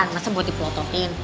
nggak semuanya buat dipotokin